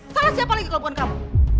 salah siapa lagi kalau bukan kamu